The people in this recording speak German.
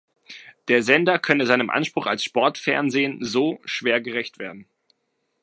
Der Sender könne seinem Anspruch als Sportfernsehen so schwer gerecht werden.